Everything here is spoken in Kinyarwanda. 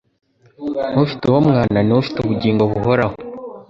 Ufite uwo Mwana ni we ufite ubugingo buhoraho.»